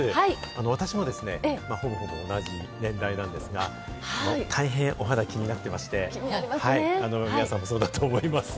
私もですね、ほぼ同じ年代なんですが、大変、お肌を気になっていまして、皆さんもそうだと思います。